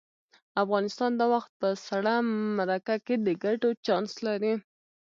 افغانستان دا وخت په سړه مرکه کې د ګټو چانس لري.